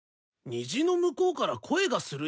虹の向こうから声がする夢？